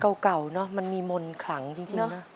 เพลงเก่ามันมีหมอนขังจริง